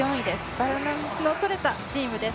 バランスのとれたチームです。